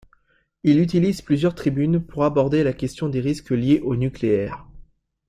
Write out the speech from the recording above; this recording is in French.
Il utilise plusieurs tribunes pour aborder la question des risques liés au nucléaire.